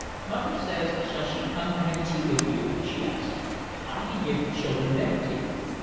"Mother says, shall she come and have tea with you?" she asked. "I can give the children their tea."